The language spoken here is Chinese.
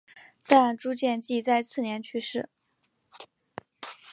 但朱见济在次年去世。